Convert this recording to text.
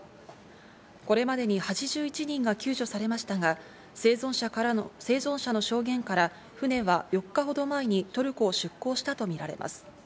これまでに８１人が救助されましたが、生存者の証言から船は４日ほど前にトルコを出港したとみられます。